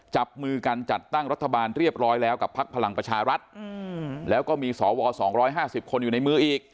จับมือกันจัดตั้งรัฐบาลเรียบร้อยแล้วกับพักพลังประชารัฐแล้วก็มีสว๒๕๐คนอยู่ในมืออีก